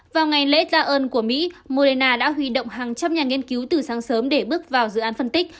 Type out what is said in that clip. vào ngày lễ tạ ơn của mỹ morena đã huy động hàng trăm nhà nghiên cứu từ sáng sớm để bước vào dự án phân tích